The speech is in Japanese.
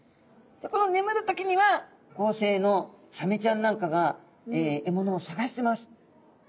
このねむる時には夜行性のサメちゃんなんかが獲物を探してます。